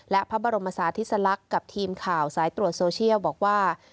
และพระบรมศาธิสลักษณ์กับทีมข่าวสายตรวจโซเชียลบอกว่า